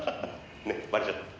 「ねっバレちゃった。